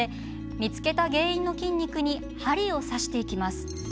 見つけた原因の筋肉に針を刺していきます。